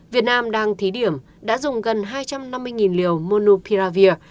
việt nam đang thí điểm đã dùng gần hai trăm năm mươi liều monupiravir